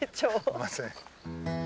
すいません。